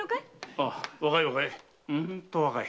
ああ若い若い。